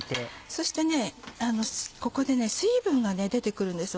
そしてここで水分が出て来るんです。